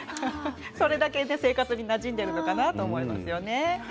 それだけ生活になじんでいるのかなと思いますけどね。